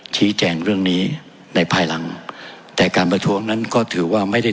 ชี้แจงเรื่องนี้ในภายหลังแต่การประท้วงนั้นก็ถือว่าไม่ได้